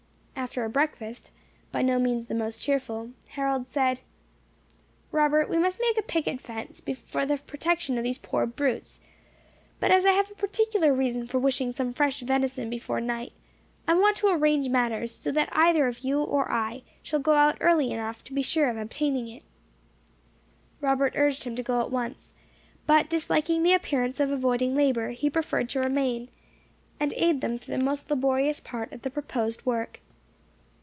After a breakfast, by no means the most cheerful, Harold said, "Robert, we must make a picket fence for the protection of these poor brutes. But as I have a particular reason for wishing some fresh venison before night, I want to arrange matters so that either you or I shall go out early enough to be sure of obtaining it." Robert urged him to go at once, but disliking the appearance of avoiding labour, he preferred to remain, and aid them through the most laborious part of the proposed work.